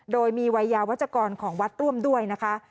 โดยมีวัยยาวัชกรของวัดร่วมด้วยนะคะ